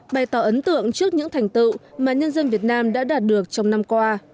bày tỏ ấn tượng trước những thành tựu mà nhân dân việt nam đã đạt được trong năm qua